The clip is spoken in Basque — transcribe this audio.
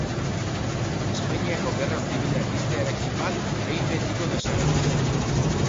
Espainiako Gerra Zibila piztearekin bat behin-betiko desagertu zen.